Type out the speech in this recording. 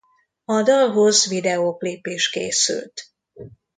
A dalhoz videoklip is készült.